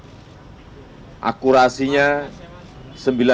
jadi kita harus mencari pengalaman yang ilmiah